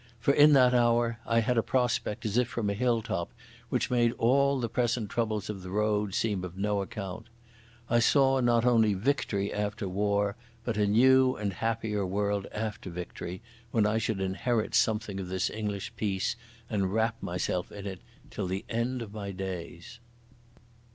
For in that hour I had a prospect as if from a hilltop which made all the present troubles of the road seem of no account. I saw not only victory after war, but a new and happier world after victory, when I should inherit something of this English peace and wrap myself in it till the end of my days.